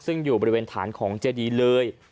ซึ่งอยู่บริเวณฐานของเจดีเลย